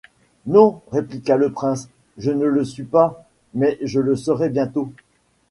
Non, répliqua le prince, je ne le suis pas, mais je le serai bientôt.